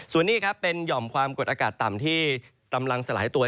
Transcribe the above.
สวัสดีคับเป็นยอมความกดอากาศต่ำที่ตำรังสลายตัว